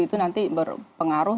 itu nanti berpengaruh